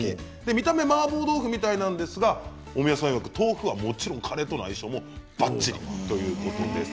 見た目はマーボー豆腐みたいですが豆腐はもちろんカレーとの相性もばっちりです。